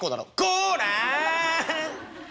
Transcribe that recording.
「こら！